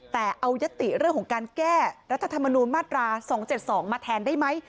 แต่เอายติเรื่องของการแก้รัฐธรรมนูญมาตรา๒๗๒มาแทนได้ไหม